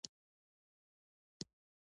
سیلاني ځایونه د نن او راتلونکي لپاره ارزښت لري.